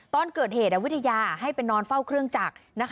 ตอนเกิดเหตุวิทยาให้ไปนอนเฝ้าเครื่องจักร